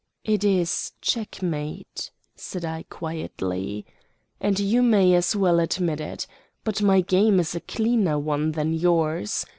"It is checkmate," said I quietly. "And you may as well admit it. But my game is a cleaner one than yours.